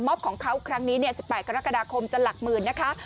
ของเขาครั้งนี้๑๘กรกฎาคมจะหลักหมื่นนะคะ